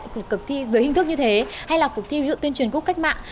cuộc thi dưới hình thức như thế hay là cuộc thi ví dụ tuyên truyền cúp cách mạng